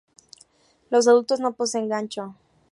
Los adultos no posen gancho.